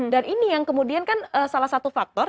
dan ini yang kemudian kan salah satu faktor